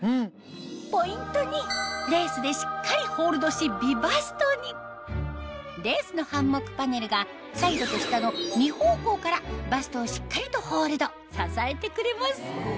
ポイント２レースでしっかりホールドし美バストにレースのハンモックパネルがサイドと下の２方向からバストをしっかりとホールド支えてくれます